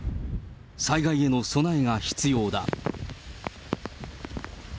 災害への備えが必要だ。